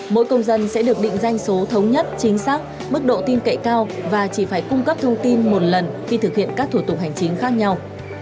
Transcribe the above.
mỗi công dân sẽ được định danh số thống nhất chính xác mức độ tin cậy cao và chỉ phải cung cấp thông tin một lần khi thực hiện các thủ tục hành chính khác nhau